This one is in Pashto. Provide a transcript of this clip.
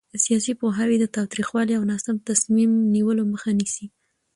سیاسي پوهاوی د تاوتریخوالي او ناسم تصمیم نیولو مخه نیسي